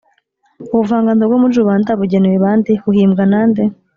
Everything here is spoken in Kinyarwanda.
ubuvanganzo bwo muri rubanda bugenewe ba nde? buhimbwa na nde?